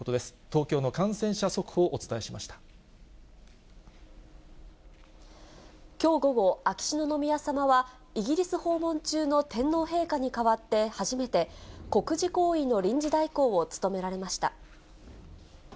東京の感染者速報をお伝えしましきょう午後、秋篠宮さまは、イギリス訪問中の天皇陛下に代わって初めて、国事行為の臨時代行を務められました。